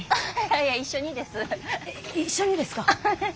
一緒にですか？